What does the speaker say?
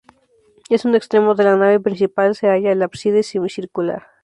En un extremo de la nave principal se halla el ábside, semicircular.